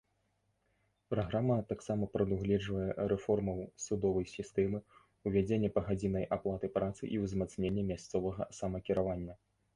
Праграма таксама прадугледжвае рэформаў судовай сістэмы, увядзенне пагадзіннай аплаты працы і ўзмацненне мясцовага самакіравання.